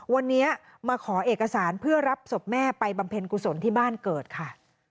วันนี้มาขอเอกสารเพื่อรับศพแม่ไปบำเพ็ญกุศลที่บ้านเกิดค่ะ